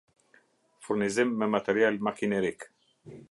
Furnizim me material makinerik